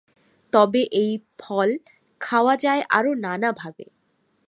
তবে এই ফল খাওয়া যায় আরও নানাভাবে।